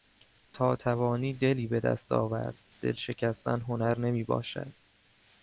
تا توانی دلی به دست آوردل شکستن هنر نمیباشد